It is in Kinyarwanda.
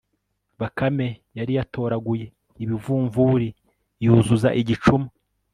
bakame yari yatoraguye ibivumvuri yuzuza igicuma